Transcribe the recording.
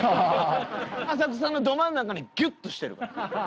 浅草のど真ん中にギュッとしてるから。